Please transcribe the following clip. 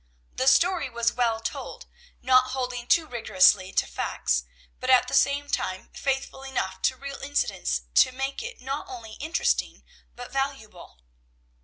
The story was well told, not holding too rigorously to facts, but at the same time faithful enough to real incidents to make it not only interesting but valuable.